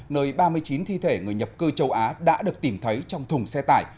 nơi ba mươi chín thi thể người nhập cư châu á đã được tìm thấy trong thùng xe tải